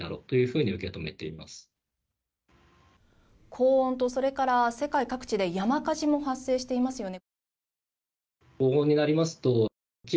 高温とそれから、世界各地で山火事も発生していますよね。